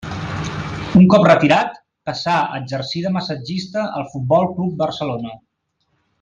Un cop retirat, passà a exercir de massatgista al Futbol Club Barcelona.